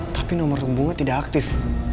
tapi nomor umbunya tidak aktif